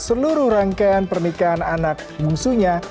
seluruh rangkaian pernikahan anak bungsunya